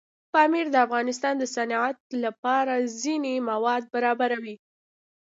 پامیر د افغانستان د صنعت لپاره ځینې مواد برابروي.